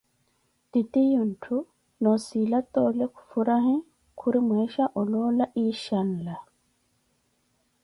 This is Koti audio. Titiyunthu nossila toole khufuraye khuri mweesha oloola Insha'Allah